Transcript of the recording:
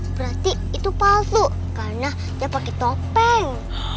berarti itu palsu karena dia pakai topeng